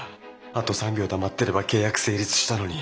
あと３秒黙ってれば契約成立したのに！